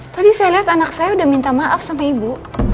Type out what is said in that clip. tadi saya lihat anak saya udah minta maaf sama ibu